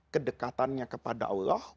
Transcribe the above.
kedekatannya kepada allah